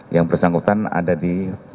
yang bersangkutan ada di